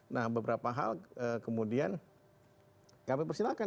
nah beberapa hal kemudian kami persilahkan